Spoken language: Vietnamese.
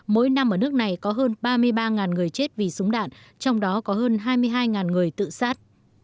mỗi năm ở nước này có hơn ba mươi ba người chết vì súng đạn trong đó có hơn hai mươi hai người tự sát